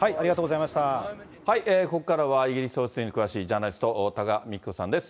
ここからはイギリス王室に詳しいジャーナリスト、多賀幹子さんです。